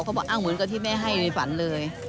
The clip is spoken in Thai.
บอกอ้าวเหมือนกับที่แม่ให้ในฝันเลย